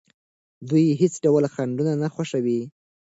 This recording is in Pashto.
دوی هیڅ ډول خنډونه نه خوښوي.